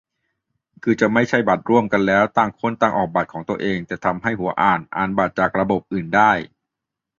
คือจะไม่ใช้บัตรร่วมกันแล้ว ต่างคนต่างออกบัตรของตัวเอง แต่ทำให้หัวอ่านอ่านบัตรจากระบบอื่นได้